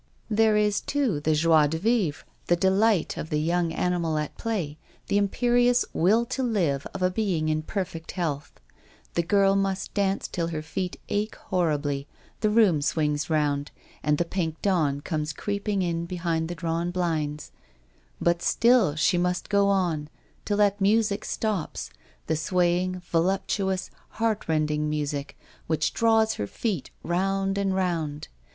There is, too^ the joie de vwre, the delight of the young animal at play, the imperious will to live of a being in perfect health. The girl must dance till her feet ache horribly, the room swings round, and the pink dawn comes creeping in behind the drawn blinds ; but still she must go on till that music stops, the swaying, voluptuous, heartrending music which draws her feet round and round.